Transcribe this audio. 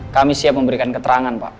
kami siap memberikan keterangan pak